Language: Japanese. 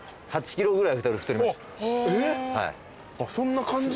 はい。